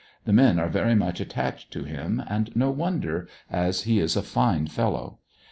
The men are very much attached to him and no wonder, ais he is a fine fellow.